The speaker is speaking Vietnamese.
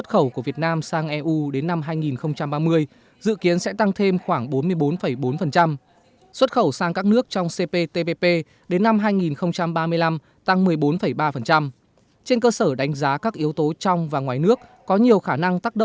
hội thảo kinh tế việt nam giai đoạn hai nghìn hai mươi một hai nghìn hai mươi năm